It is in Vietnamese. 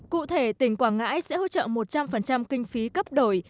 cụ thể tỉnh quảng ngãi sẽ hỗ trợ một trăm linh kinh phí cấp đổi